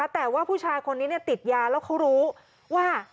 แต่ว่าผู้ชายคนนี้ติดยาแล้วเขารู้ว่า